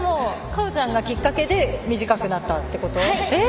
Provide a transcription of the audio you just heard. かおちゃんがきっかけで短くなったってこと。